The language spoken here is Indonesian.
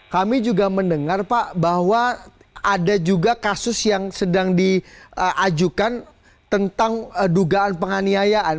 kami juga mendengar pak bahwa ada juga kasus yang sedang diajukan tentang dugaan penganiayaan